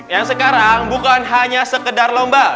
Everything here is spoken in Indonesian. yang sekarang bukan hanya sekedar lomba